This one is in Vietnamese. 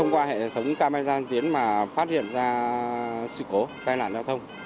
các giai đoạn tiến mà phát hiện ra sự cố tai nạn giao thông